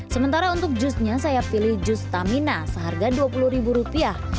sementara untuk jusnya saya pilih jus stamina seharga rp dua puluh